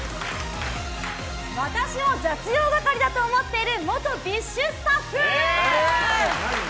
私を雑用係だと思ってる元ＢｉＳＨスタッフ！